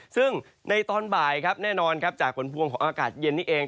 ซึ่งในตอนบ่ายครับแน่นอนครับจากผลพวงของอากาศเย็นนี้เอง